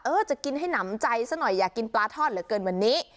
จะกินให้หนำใจซะหน่อยอยากกินปลาทอดเหลือเกินวันนี้